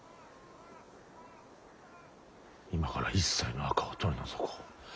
今から一切の赤を取り除こう。